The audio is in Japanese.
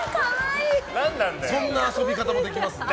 そんな遊び方もできますので。